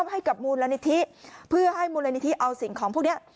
ให้กับมูลนิธิเพื่อให้มูลนิธิเอาสิ่งของพวกนี้